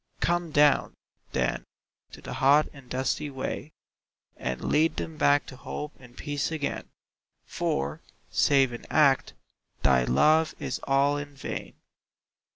Come down, then, to the hot and dusty way, And lead them back to hope and peace again For, save in Act, thy Love is all in vain.